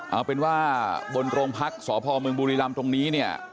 เอาเป็นว่าบนโรงพักษ์สพเมืองบุรีรำตรงนี้เนี่ย